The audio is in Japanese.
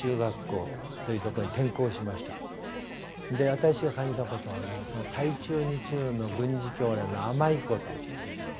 私が感じたことはね台中二中の軍事教練の甘いこと。